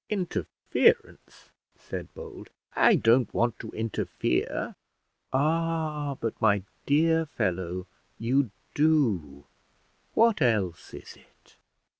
"Interference!" said Bold, "I don't want to interfere." "Ah, but, my dear fellow, you do; what else is it?